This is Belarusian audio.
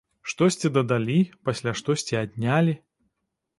Штосьці дадалі, пасля штосьці аднялі.